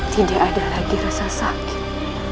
tidak ada lagi rasa sakit